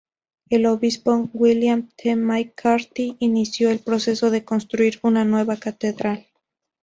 El Obispo William T. McCarty, inició el proceso de construir una nueva catedral.